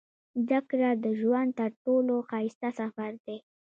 • زده کړه د ژوند تر ټولو ښایسته سفر دی.